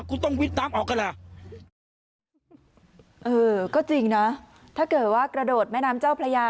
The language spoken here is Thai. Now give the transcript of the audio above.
คุณต้องวิดน้ำออกกันล่ะเออก็จริงนะถ้าเกิดว่ากระโดดแม่น้ำเจ้าพระยา